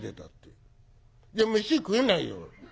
じゃ飯食えないよ。